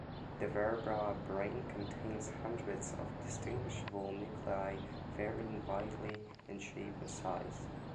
The vertebrate brain contains hundreds of distinguishable nuclei, varying widely in shape and size.